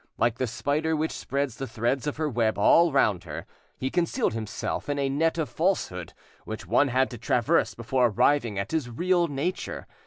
Like the spider which spreads the threads of her web all round her, he concealed himself in a net of falsehood which one had to traverse before arriving at his real nature.